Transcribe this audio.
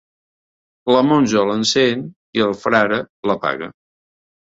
La monja l'encén i el frare l'apaga.